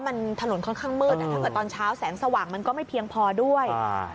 มันถนนค่อนข้างมืดอ่ะถ้าเกิดตอนเช้าแสงสว่างมันก็ไม่เพียงพอด้วยอ่า